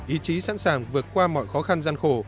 ý chí sẵn sàng vượt qua mọi khó khăn gian khổ